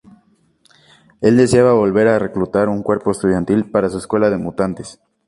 El deseaba volver a reclutar un cuerpo estudiantil para su escuela de mutantes.